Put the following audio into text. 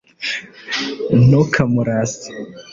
ntukamurase